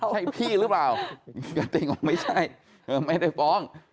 ใช่พี่หรือเปล่าไม่ใช่เธอไม่ได้ฟ้อง